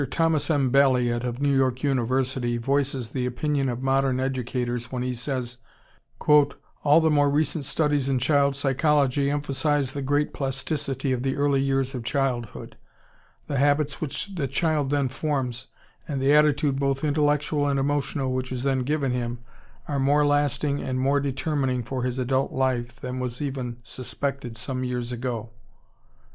Thomas M. Balliet of New York University voices the opinion of modern educators when he says, "All the more recent studies in child psychology emphasize the great plasticity of the early years of childhood. The habits which the child then forms, and the attitude both intellectual and emotional which is then given him, are more lasting and more determining for his adult life than was even suspected some years ago."